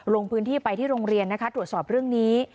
ลงพื้นที่ไปที่โรงเรียนนะคะตรวจสอบเรื่องนี้